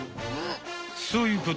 そういうこと。